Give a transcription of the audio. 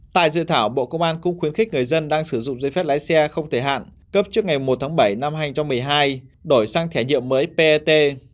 tại dự thảo bộ công an cũng khuyến khích người dân đang sử dụng giấy phép lái xe không thể hạn cấp trước ngày một tháng bảy năm hai nghìn một mươi hai đổi sang thẻ nhiệm mới pet